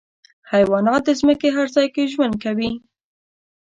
حیوانات د ځمکې هر ځای کې ژوند کوي.